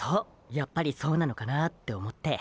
やっぱりそうなのかなーって思って。